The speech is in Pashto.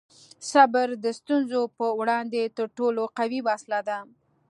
صبر د ستونزو په وړاندې تر ټولو قوي وسله ده.